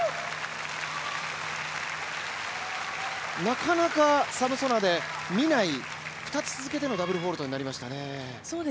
なかなかサムソノワで見ない、２つ続けてのダブルフォルトになりましたね。